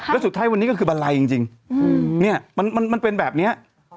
แล้วสุดท้ายวันนี้ก็คือบันไลจริงเนี่ยมันเป็นแบบนี้